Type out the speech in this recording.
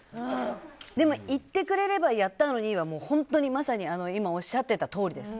でも言ってくれればやったのには本当にまさにおっしゃっていたとおりです。